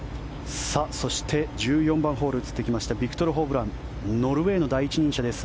そして、１４番ホール映ってきましたビクトル・ホブランノルウェーの第一人者です。